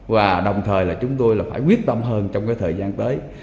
và đồng thời là chúng tôi là phải quyết tâm hơn trong cái thời gian tới